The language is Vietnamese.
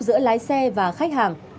giữa lái xe và khách hàng